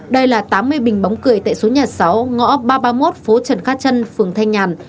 đây là tám mươi bình bóng cười tại số nhà sáu ngõ ba trăm ba mươi một phố trần cát trân phường thanh nhàn